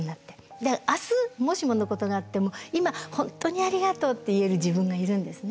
だから明日もしものことがあっても今本当にありがとうって言える自分がいるんですね。